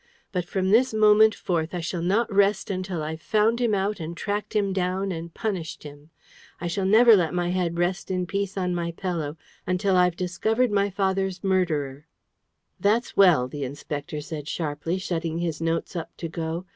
But from this moment forth, I shall not rest until I've found him out and tracked him down, and punished him. I shall never let my head rest in peace on my pillow until I've discovered my father's murderer!" "That's well," the Inspector said sharply, shutting his notes up to go.